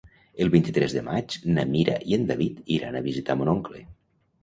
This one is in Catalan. El vint-i-tres de maig na Mira i en David iran a visitar mon oncle.